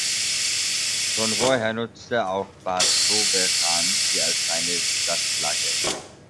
Schon vorher nutzte auch Bad Doberan sie als seine Stadtflagge.